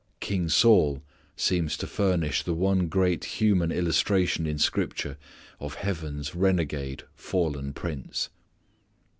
King Sauls seems to furnish the one great human illustration in scripture of heaven's renegade fallen prince.